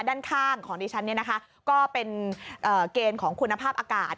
ด้านข้างของดิฉันเนี่ยนะคะก็เป็นเกณฑ์ของคุณภาพอากาศ